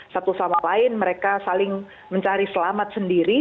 satu sama lain mereka saling mencari selamat sendiri